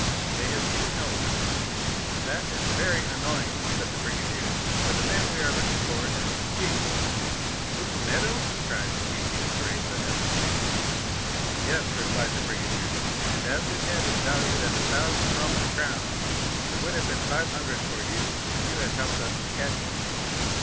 They had seen no one. "'That is very annoying,' said the brigadier; for the man we are looking for is the chief.' "'Cucumetto?' cried Luigi and Teresa at the same moment. "'Yes,' replied the brigadier; 'and as his head is valued at a thousand Roman crowns, there would have been five hundred for you, if you had helped us to catch him.